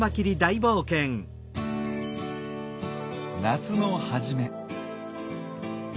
夏の初め。